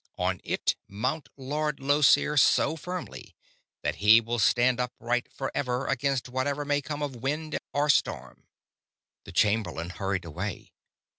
On it mount Lord Llosir so firmly that he will stand upright forever against whatever may come of wind or storm." The chamberlain hurried away.